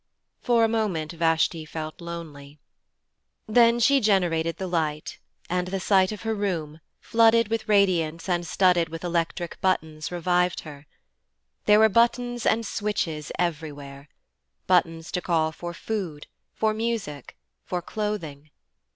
For a moment Vashti felt lonely. Then she generated the light, and the sight of her room, flooded with radiance and studded with electric buttons, revived her. There were buttons and switches everywhere buttons to call for food for music, for clothing.